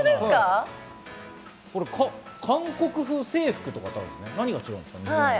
韓国風制服って何が違うんですか？